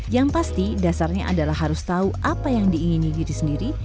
yang pasti dasarnya adalah harus tahu apa yang diingini diri sendiri